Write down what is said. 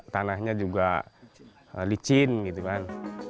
tanahnya juga licin gitu kan